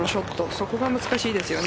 そこが難しいですよね。